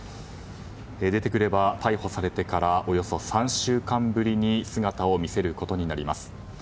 出てくれば、逮捕されてからおよそ３週間ぶりに姿を見せることになります。